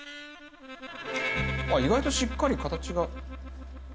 意外としっかり形が。